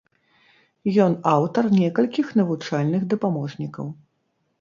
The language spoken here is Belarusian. Ён аўтар некалькіх навучальных дапаможнікаў.